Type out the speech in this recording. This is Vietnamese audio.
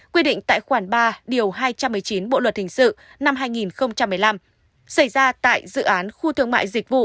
quy định tại khoản ba điều hai trăm một mươi chín bộ luật hình sự năm hai nghìn một mươi năm xảy ra tại dự án khu thương mại dịch vụ